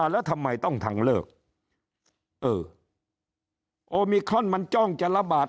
แล้วทำไมต้องทางเลิกเออโอมิครอนมันจ้องจะระบาด